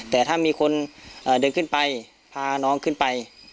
แต่ถ้ามีคนเดินขึ้นไปพาน้องขึ้นไป